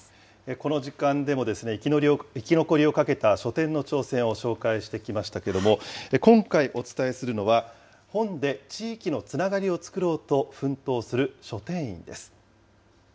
この時間でも、生き残りをかけた書店の挑戦を紹介してきましたけれども、今回、お伝えするのは本で地域のつながりを作ろうと奮闘する書店員です。